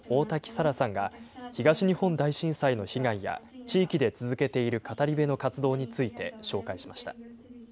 沙來さんが、東日本大震災の被害や、地域で続けている語り部の活動について紹介しました。